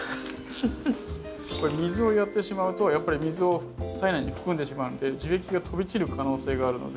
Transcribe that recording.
これ水をやってしまうとやっぱり水を体内に含んでしまうので樹液が飛び散る可能性があるので。